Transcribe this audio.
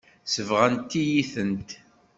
Sebɣent-iyi-tent.